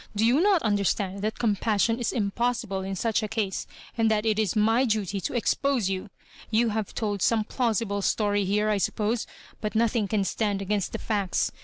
Do you not understand that compassion is impossible in such a case, and that it is my duty to expose you t You have told some plausible story here, I sup pose, but nothing can stand against the &ct8.